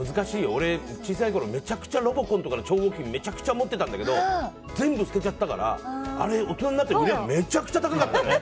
俺、小さいころめちゃくちゃ、ロボコンの超合金めちゃくちゃ持ってたんだけど全部捨てちゃったからあれ、大人になってから売れば高くなったね。